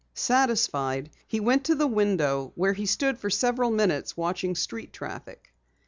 Satisfied, he went to the window where he stood for several minutes watching street traffic.